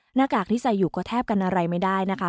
หน้ากากที่ใส่อยู่ก็แทบกันอะไรไม่ได้นะคะ